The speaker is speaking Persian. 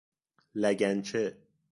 لگن چه